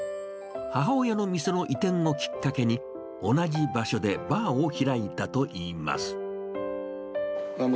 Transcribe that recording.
母親の店の移転をきっかけに、同じ場所でバーを開いたといいます。